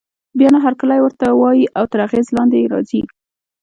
بيا نو هرکلی ورته وايي او تر اغېز لاندې يې راځي.